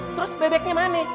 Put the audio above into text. terus bebeknya mana